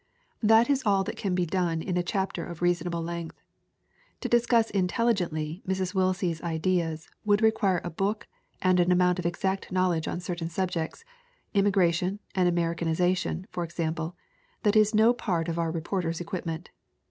That is all that can be done in a chapter of reasonable length. To discuss intelligently Mrs. Willsie's ideas would require a book and an amount of exact knowledge on certain subjects im migration and Americanization, for example that is no part of our reporter's equipment.